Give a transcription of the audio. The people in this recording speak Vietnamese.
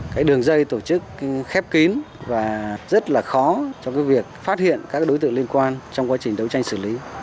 cây tổ chức khép kín và rất là khó trong việc phát hiện các đối tượng liên quan trong quá trình đấu tranh xử lý